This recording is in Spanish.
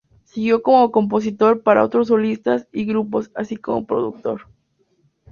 Siguió como compositor para otros solistas y grupos, así como productor.